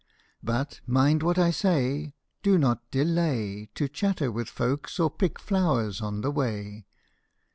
But mind what I say do not delay To chatter with folks or pick flowers on the way